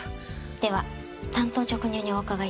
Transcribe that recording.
では単刀直入にお伺い致します。